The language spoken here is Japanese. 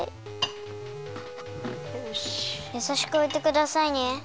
やさしくおいてくださいね。